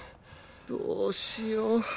どうしよう